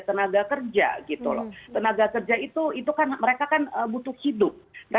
tenaga kerja itu mereka kan butuh hidup